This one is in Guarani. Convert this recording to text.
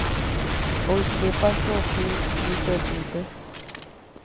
Oikepa koty rypepýpe.